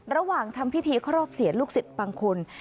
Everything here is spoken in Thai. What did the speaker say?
ระหว่างทำพิธีครอบเสียนลูกศิษย์บางคน